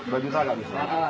dua juta gak bisa